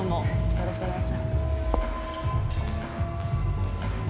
よろしくお願いします。